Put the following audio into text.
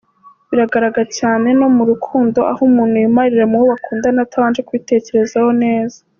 Bigaragara cyane no mu rukundo, aho umuntu yimarira m’uwo bakundana atabanje kubitekerezaho neza.